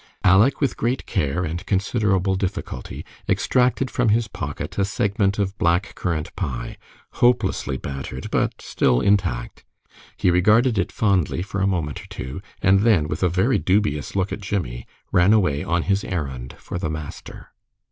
Aleck, with great care and considerable difficulty, extracted from his pocket a segment of black currant pie, hopelessly battered, but still intact. He regarded it fondly for a moment or two, and then, with a very dubious look at Jimmie, ran away on his errand for the master.